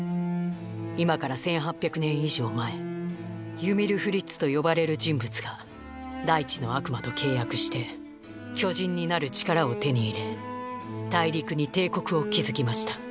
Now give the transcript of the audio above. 今から１，８００年以上前「ユミル・フリッツ」と呼ばれる人物が「大地の悪魔」と契約して巨人になる力を手に入れ大陸に帝国を築きました。